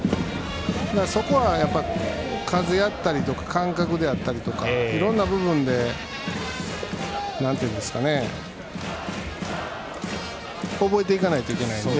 そこは数をやったり感覚であったりとかいろんな部分で覚えていかないといけないので。